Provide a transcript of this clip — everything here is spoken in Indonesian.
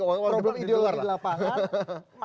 problem ideologi di lapangan